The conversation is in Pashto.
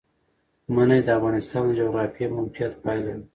منی د افغانستان د جغرافیایي موقیعت پایله ده.